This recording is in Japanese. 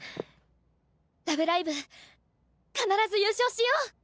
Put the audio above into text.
「ラブライブ！」必ず優勝しよう！